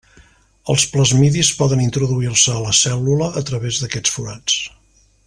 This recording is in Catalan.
Els plasmidis poden introduir-se a la cèl·lula a través d'aquests forats.